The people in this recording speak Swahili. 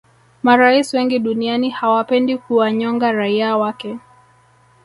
marais wengi duniani hawapendi kuwanyonga raia wake